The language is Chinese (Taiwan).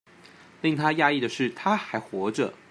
令他訝異的是她還活著